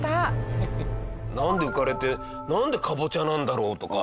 なんで浮かれてなんでカボチャなんだろうとか。